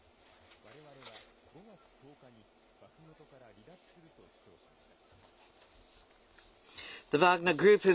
われわれは５月１０日にバフムトから離脱すると主張しました。